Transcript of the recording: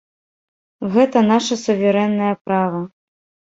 Гэта наша суверэннае права.